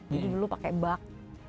jadi dulu pakai bak